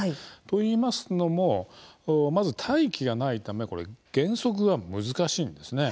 といいますのもまず大気がないため減速が難しいんですね。